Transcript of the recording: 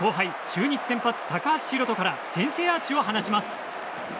中日先発の高橋宏斗から先制アーチを放ちます。